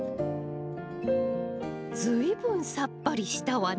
随分さっぱりしたわね。